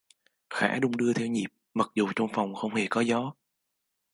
Khẽ đung đưa theo nhịp mặc dù trong phòng không hề có gió